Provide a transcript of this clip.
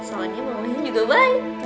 soalnya mamanya juga baik